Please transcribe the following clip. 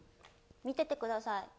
見ててください。